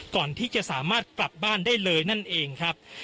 ก่อนที่จะสามารถกลับบ้านได้เลยนั่นเองครับ